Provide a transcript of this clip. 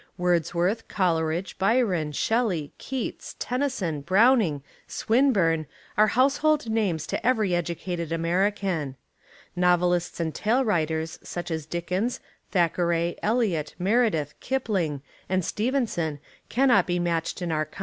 Wordsworth, Coleridge, Byron, Shel ley, Keats, Tennyson, Browning, Swinburne are household names to every educated American. Novelists and tale writers such as Dickens, Thackeray, Eliot, Meredith, Kipling, and Stevenson cannot be matched in our country.